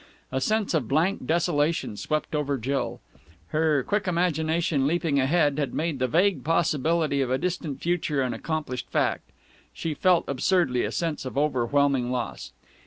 A sense of blank desolation swept over Jill. Her quick imagination, leaping ahead, had made the vague possibility of a distant future an accomplished fact. She felt, absurdly, a sense of overwhelming loss.